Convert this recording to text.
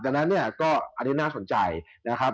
ดังนั้นเนี่ยก็อันนี้น่าสนใจนะครับ